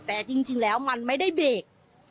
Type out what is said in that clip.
แต่จริงแล้วมันไม่ได้เบรก